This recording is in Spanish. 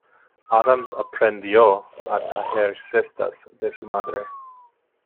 Adams aprendió a tejer cestas de su madre.